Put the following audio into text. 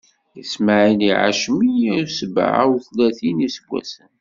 Ismaɛil iɛac meyya usebɛa utlatin n iseggasen.